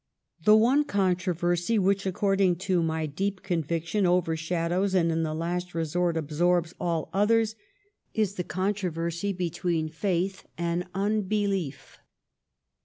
*' The one controversy which, according to my deep conviction, overshadows and, in the last re sort, absorbs all others, is the controversy between Faith and Unbelief.